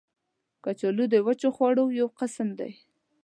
کچالو د وچې خواړو یو قسم دی